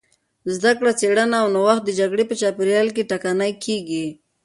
زدهکړه، څېړنه او نوښت د جګړې په چاپېریال کې ټکنۍ کېږي.